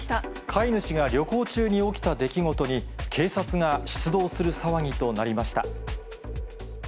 飼い主が旅行中に起きた出来事に、警察が出動する騒ぎとなりました。